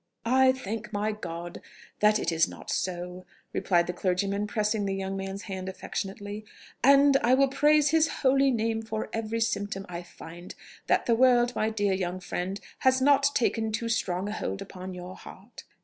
"I thank my God that it is not so," replied the clergyman, pressing the young man's hand affectionately; "and I will praise His holy name for every symptom I find that the world, my dear young friend, has not taken too strong a hold upon your heart.